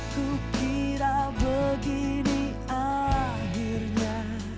aku kira begini akhirnya